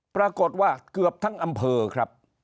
ปรากฏว่าเกือบทั้งอำเภอครับ